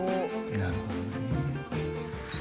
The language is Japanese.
なるほどね。